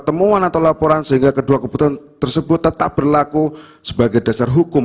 temuan atau laporan sehingga kedua keputusan tersebut tetap berlaku sebagai dasar hukum